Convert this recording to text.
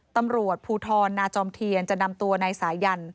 ตำรวจภูทรนาจอมเทียนจะนำตัวนายสายัน